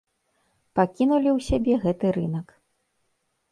Пакінулі ў сябе гэты рынак.